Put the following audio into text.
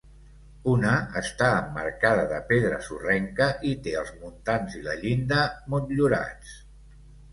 Una està emmarcada de pedra sorrenca i té els muntants i la llinda motllurats.